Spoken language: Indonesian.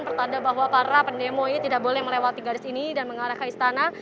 pertanda bahwa para pendemo ini tidak boleh melewati garis ini dan mengarah ke istana